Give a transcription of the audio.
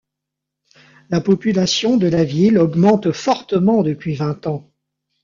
La population de la ville augmente fortement depuis vingt ans.